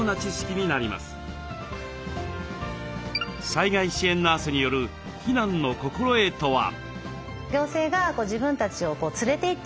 災害支援ナースによる避難の心得とは？